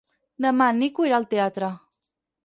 Demà en Nico irà al teatre.